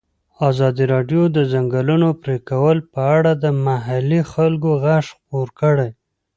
ازادي راډیو د د ځنګلونو پرېکول په اړه د محلي خلکو غږ خپور کړی.